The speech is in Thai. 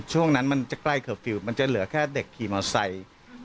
ช่วงนั้นมันจะใกล้เคอร์ฟิลล์มันจะเหลือแค่เด็กขี่มอไซค์